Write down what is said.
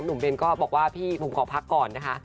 หนุ่มเบนก็บอกว่าพี่ผมขอพักก่อนนะคะ